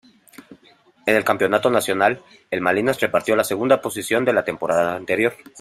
En el campeonato nacional, el Malinas repitió la segunda posición de la temporada anterior.